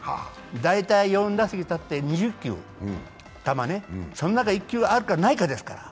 だいたい４打席立って２０球、その中、１球あるかないかですから。